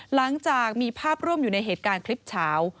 หลังจากมีภาพร่วมอยู่ในเหตุการณ์คลิปเฉา